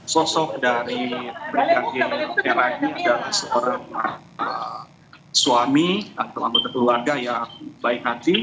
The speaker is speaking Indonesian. sosok dari brigadir era ini adalah seorang suami atau anggota keluarga yang baik hati